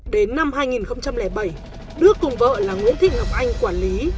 đến năm hai nghìn bảy đức cùng vợ là nguyễn thị ngọc anh quản lý